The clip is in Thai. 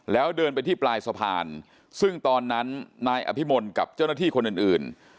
แล้วเดินไปที่ปลายสะพานซึ่งตอนนั้นนายอภิมลกับเจ้าหน้าที่คนอื่น